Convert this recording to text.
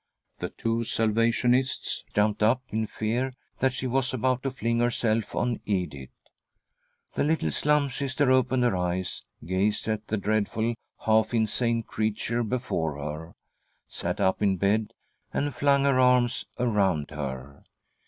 The two Salvationists jumped up, in fear that she was about to fling herself on Edith. The little Slum Sister opened her eyes, gazed at the dreadful, half insane creature before her, sat up in bed, and flung her arms around her.